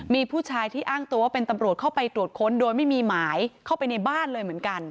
มีผู้ชายที่อ้างตัวว่าเป็นตำรวจเข้าไปตรวจค้นโดยไม่มีหมายเข้าไปในบ้านเลยเหมือนกัน